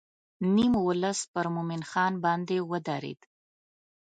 نیم ولس پر مومن خان باندې ودرېد.